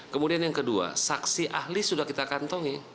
kemudian yang kedua saksi ahli sudah kita kantongi